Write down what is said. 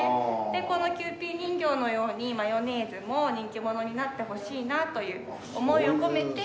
でこのキユーピー人形のようにマヨネーズも人気者になってほしいなという思いを込めて。